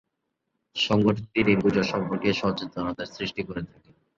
সংগঠনটি ডেঙ্গু জ্বর সম্পর্কে জনসচেতনতা সৃষ্টি করে থাকে।